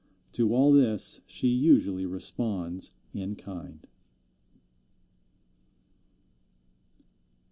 To all this she usually responds in kind.